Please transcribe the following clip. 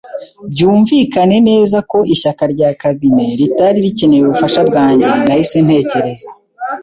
byumvikane neza ko ishyaka rya cabine ritari rikeneye ubufasha bwanjye. Nahise ntekereza